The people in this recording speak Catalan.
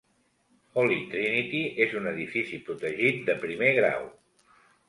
Holy Trinity és un edifici protegit de primer grau.